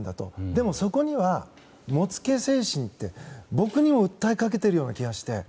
でもそこには、もつけ精神って僕にも訴えかけてるような気がして。